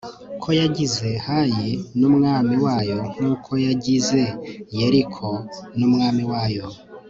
ko yagize hayi n'umwami wayo nk'uko yagize yeriko n'umwami wayo